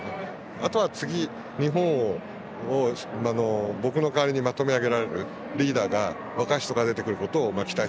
あとは次日本を僕の代わりにまとめ上げられるリーダーが若い人が出てくることを期待したい。